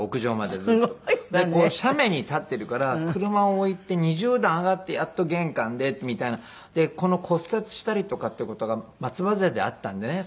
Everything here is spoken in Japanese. でこう斜面に立っているから車を置いて２０段上がってやっと玄関でみたいな。で骨折したりとかっていう事が松葉杖であったんでね。